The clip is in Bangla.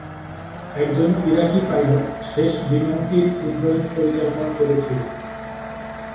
একজন ইরাকি পাইলট শেষ বিমানটির উড্ডয়ন পরিচালনা করেছিল।